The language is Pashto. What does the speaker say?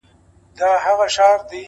تـا كــړلــه خـــپـــره اشــــنـــــا،